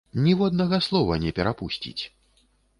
Ніводнага слова не перапусціць.